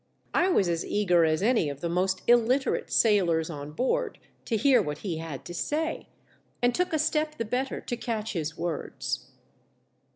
I was as eager as any of the most illiterate sailors on board to hear what he had to say, and took a step the better to catch his words.